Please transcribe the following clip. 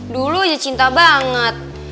dulu aja cinta banget